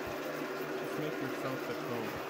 Just make yourselves at home.